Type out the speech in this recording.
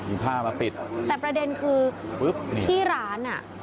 หยิบผ้ามาปิดแต่ประเด็นคือปุ๊บที่ร้านอ่ะ